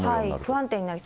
不安定になる。